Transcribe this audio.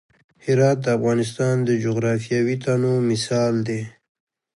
هرات د افغانستان د جغرافیوي تنوع مثال دی.